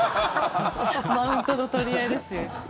マウントの取り合いですよ。